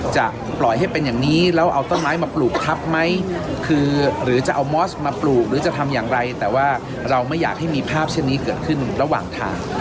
จะปล่อยให้เป็นอย่างนี้แล้วเอาต้นไม้มาปลูกทับไหมคือหรือจะเอามอสมาปลูกหรือจะทำอย่างไรแต่ว่าเราไม่อยากให้มีภาพเช่นนี้เกิดขึ้นระหว่างทาง